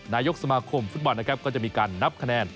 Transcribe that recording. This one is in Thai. นายกสมาคมฟุตบอลนะครับก็จะมีการนับคะแนน